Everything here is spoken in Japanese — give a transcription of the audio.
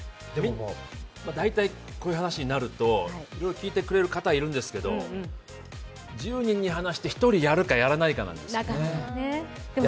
大体こういう話になるといろいろ聞いてくれる方はいるんですけど、１０人に話して、１人やるかやらないかなんですよね。